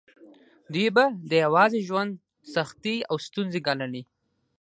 دوی به د یوازې ژوند سختې او ستونزې ګاللې.